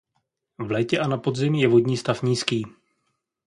V létě a na podzim je vodní stav nízký.